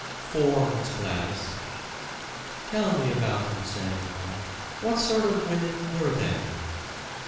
"Four, Miss Gladys." "Tell me about them, Samuel. What sort of women were they?"